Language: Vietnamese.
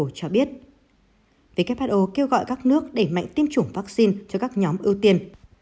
who cho biết who kêu gọi các nước đẩy mạnh tiêm chủng vaccine cho các nhóm ưu tiên